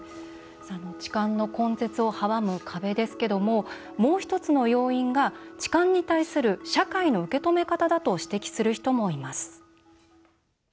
痴漢の根絶を阻む壁ですけども、もう１つの要因が痴漢に対する社会の受け止め方だと指摘する人もいます。